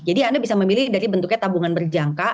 jadi anda bisa memilih dari bentuknya tabungan berjangka